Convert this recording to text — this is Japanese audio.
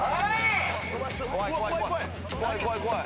怖い怖い。